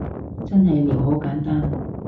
其實撩好簡單